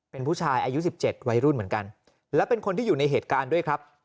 เป็นผู้ชายอายุ๑๗วัยรุ่นเหมือนกันและเป็นคนที่อยู่ในเหตุการณ์ด้วยครับ